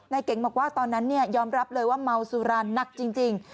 เก๋งบอกว่าตอนนั้นยอมรับเลยว่าเมาสุรานหนักจริง